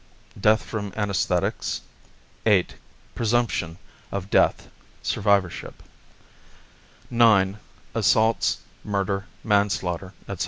Death from Anæsthetics, etc. 19 VIII. Presumption of Death; Survivorship 20 IX. Assaults, Murder, Manslaughter, etc.